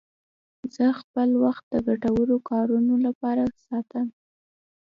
زه خپل وخت د ګټورو کارونو لپاره ساتم.